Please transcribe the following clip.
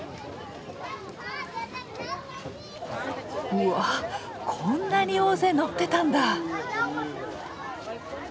うわこんなに大勢乗ってたんだ！